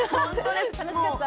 楽しかった。